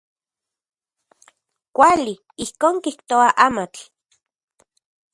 Kuali, ijkon kijtoa amatl.